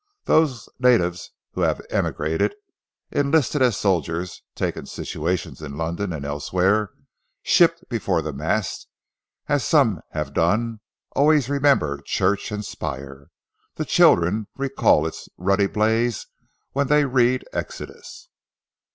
Those natives who have emigrated, enlisted as soldiers, taken situations in London and elsewhere, shipped before the mast, as some have done, always remember church and spire. The children recall its ruddy blaze when they read Exodus.